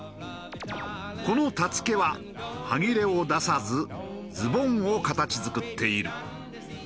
このたつけは端切れを出さずズボンを形作っている。